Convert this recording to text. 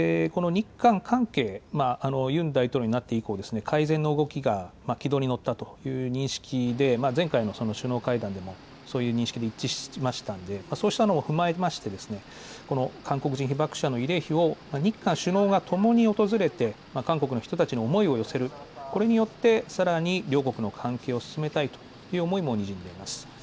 この日韓関係、ユン大統領になって以降、改善の動きが軌道に乗ったという認識で、前回の首脳会談でも、そういう認識で一致しましたので、そうしたのを踏まえまして、この韓国人被爆者の慰霊碑を日韓首脳が共に訪れて、韓国の人たちの思いを寄せる、これによってさらに両国の関係を進めたいという思いもにじんでいます。